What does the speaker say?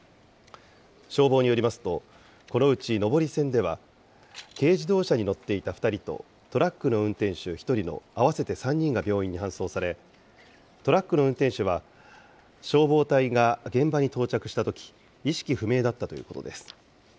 消防によりますと、このうち上り線では、軽自動車に乗っていた２人とトラックの運転手１人の合わせて３人が病院に搬送され、トラックの運転手は消防隊が現場に到着したとき、意識不明だったということです。